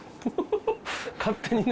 勝手にね。